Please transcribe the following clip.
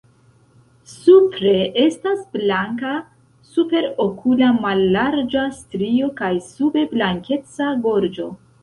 Supre estas blanka superokula mallarĝa strio kaj sube blankeca gorĝo.